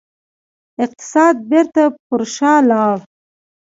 اقتصاد بیرته پر شا لاړ.